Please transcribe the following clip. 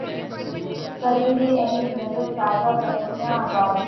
کریں گے اہل نظر تازہ بستیاں آباد